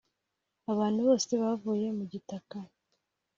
Abantu bose bavuye mu gitaka,